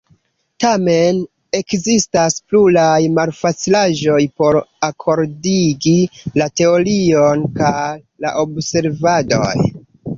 Tamen, ekzistas pluraj malfacilaĵoj por akordigi la teorion kaj la observadoj.